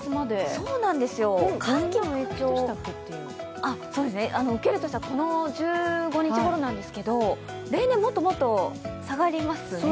そうなんです、寒気の影響受けるとしたら１６日ごろなんですけど、例年もっともっと下がりますよね。